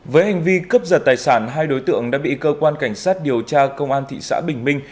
với hành vi cướp giật tài sản hai đối tượng đã bị cơ quan cảnh sát điều tra công an thị xã bình minh